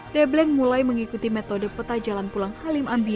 de bleng mulai mengikuti metode peta jalan pulang hampir